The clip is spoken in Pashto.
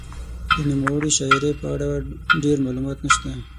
د نوموړې شاعرې په اړه ډېر معلومات نشته.